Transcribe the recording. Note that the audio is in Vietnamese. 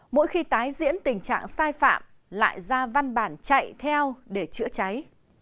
mỗi khi tái diễn tình trạng sai phạm lại ra văn bản chạy theo để chữa cháy